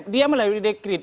dia melalui dekret